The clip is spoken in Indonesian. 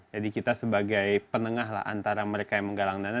jadi kita sebagai penengah antara mereka yang menggalang dana